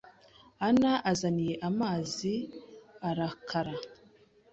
Ana azaniye amazi arakara